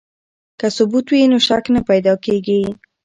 که ثبوت وي نو شک نه پیدا کیږي.